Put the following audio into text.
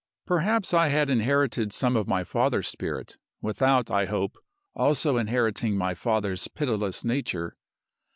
Perhaps I had inherited some of my father's spirit without, I hope, also inheriting my father's pitiless nature.